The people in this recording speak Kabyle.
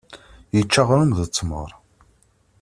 Yečča aɣrum d tmeṛ